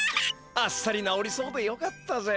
あっさりなおりそうでよかったぜ。